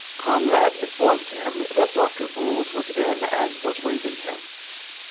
Conrad informed him that Dr. Voules was in and was awaiting him.